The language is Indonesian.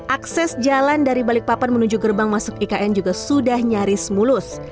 akses jalan dari balikpapan menuju gerbang masuk ikn juga sudah nyaris mulus